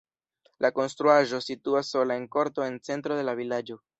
La konstruaĵo situas sola en korto en centro de la vilaĝo.